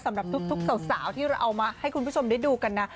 สำหรับทุกสาวที่เราเอามาให้คุณผู้ชมได้ดูกันนะ